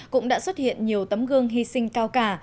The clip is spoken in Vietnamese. cũng đã xuất hiện nhiều tấm gương hy sinh cao cả